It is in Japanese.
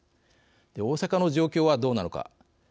大阪の状況はどうなのか。